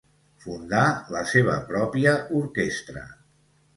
Fundà la seva pròpia orquestra.